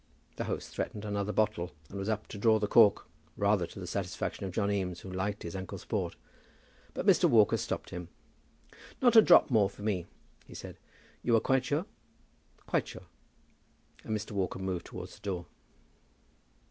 The host threatened another bottle, and was up to draw the cork, rather to the satisfaction of John Eames, who liked his uncle's port, but Mr. Walker stopped him. "Not a drop more for me," he said. "You are quite sure?" "Quite sure." And Mr. Walker moved towards the door.